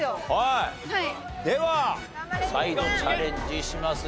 では再度チャレンジします